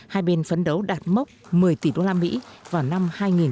hai bên phấn đấu đạt mốc một mươi tỷ đô la mỹ vào năm hai nghìn một mươi tám